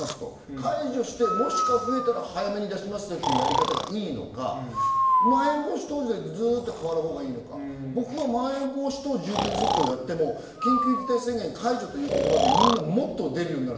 解除して増えたら早めに出しますよというやり方がいいのか、まん延防等でずっと変わるほうがいいのか、僕はまん延防止等重点措置をやっても緊急事態宣言解除ということでもっと出るようになる。